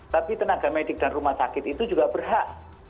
tapi tenaga medik dan rumah sakit itu juga berhak